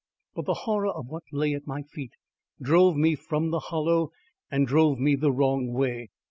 But the horror of what lay at my feet drove me from the Hollow and drove me the wrong way.